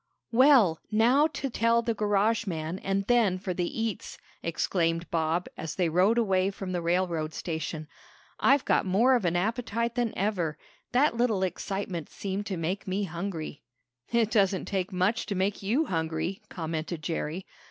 "Well, now to tell the garage man, and then for the eats!" exclaimed Bob as they rode away from the railroad station. "I've got more of an appetite than ever. That little excitement seemed to make me hungry." "It doesn't take much to make you hungry," commented Jerry.